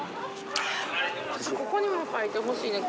ここにも書いてほしいねん。